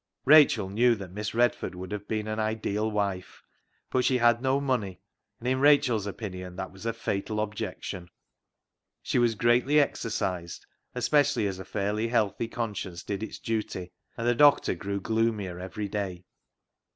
Rachel knew that Miss Redford would have been an ideal wife ; but she had no money, and in Rachel's opinion that was a fatal objection. She was greatly exercised, especially as a fairly healthy conscience did its duty, and the doctor grew gloomier every day.